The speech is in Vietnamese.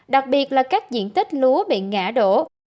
đặc biệt là các diện tích lúa bị ngã đổ